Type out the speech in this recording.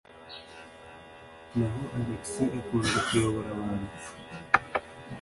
Naho Alex, akunda kuyobora abantu.